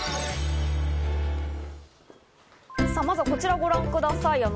こちらをご覧ください。